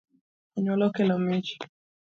Anyuola okelo mich